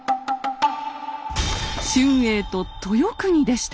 春英と豊国でした。